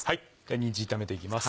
にんじん炒めていきます